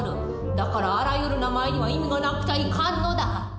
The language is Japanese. だからあらゆる名前には意味がなくちゃいかんのだ！